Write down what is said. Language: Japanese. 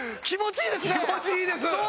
気持ちいいです。